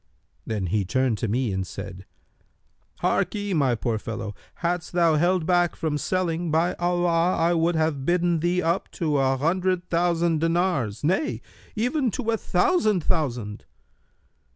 Then he turned to me and said, 'Harkye, my poor fellow, hadst thou held back from selling, by Allah I would have bidden thee up to an hundred thousand dinars, nay, even to a thousand thousand!'